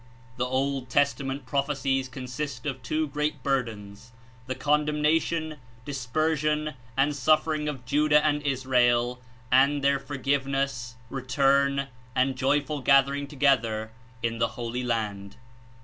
The Old Testament prophecies consist of two great burdens — the condemnation, dispersion and suf fering of Judah and Israel, and their forgiveness, 41 return and joyful gathering together In the Holy Land.